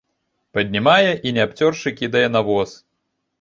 Паднімае і не абцёршы кідае на воз.